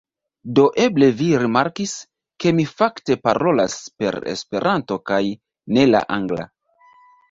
Do eble vi rimarkis, ke mi fakte parolas per Esperanto kaj ne la angla.